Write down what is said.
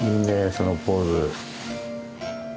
そのポーズ。